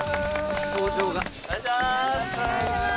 お願いします